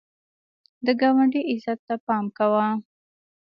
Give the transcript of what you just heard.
د ګاونډي عزت ته پام کوه